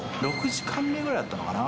６時間目ぐらいだったのかな。